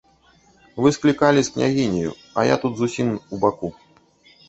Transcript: Вы склікалі з княгіняю, а я тут зусім убаку.